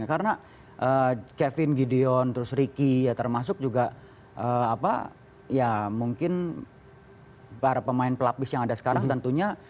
karena kevin gideon terus ricky ya termasuk juga apa ya mungkin para pemain pelabis yang ada sekarang tentunya